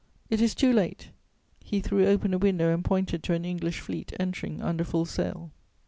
It is too late!" He threw open a window and pointed to an English fleet entering under full sail.